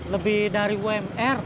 lebih dari wmr